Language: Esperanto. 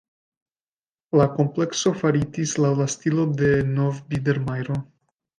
La komplekso faritis laŭ la stilo de nov-bidermajro.